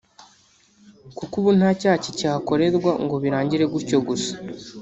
kuko ubu nta cyaha kikihakorerwa ngo birangire gutyo gusa